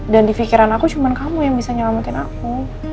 dan di pikiran aku cuma kamu yang bisa nyelamatin aku